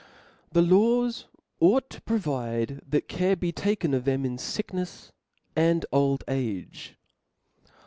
The laws ought to provide that care be taken of them in ficknefs and old age.